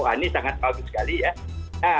wah ini sangat bagus sekali ya